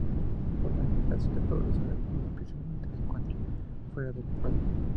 Por la migración del pueblo Saraguro principalmente se encuentra fuera del Ecuador.